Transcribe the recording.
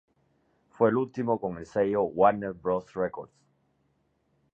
Fue el último con el sello Warner Bros Records.